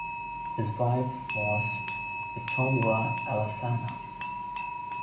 His wife was Pitolua Alesana.